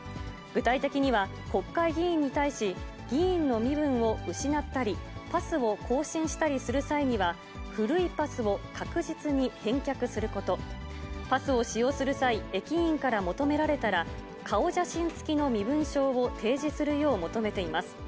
具体的には、国会議員に対し、議員の身分を失ったり、パスを更新したりする際には、古いパスを確実に返却すること、パスを使用する際、駅員から求められたら、顔写真付きの身分証を提示するよう求めています。